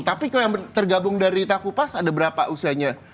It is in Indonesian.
tapi kalau yang tergabung dari tak kupas ada berapa usianya